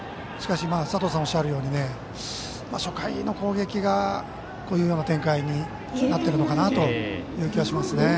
佐藤さんがおっしゃるように初回の攻撃がこういう展開になっているのかなという気がしますね。